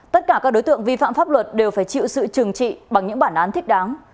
tất cả các đối tượng vi phạm pháp luật đều phải chịu sự trừng trị bằng những bản án thích đáng